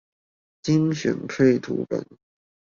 精選配圖版